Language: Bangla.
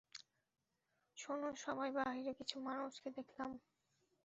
শোনো সবাই, বাহিরে কিছু মানুষকে দেখলাম!